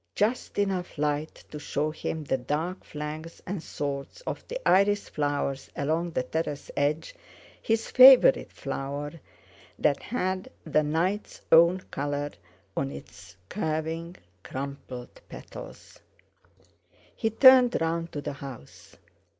Just enough light to show him the dark flags and swords of the iris flowers along the terrace edge—his favourite flower that had the night's own colour on its curving crumpled petals. He turned round to the house.